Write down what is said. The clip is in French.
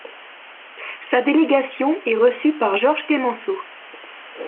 Sa délégation est reçue par Georges Clemenceau.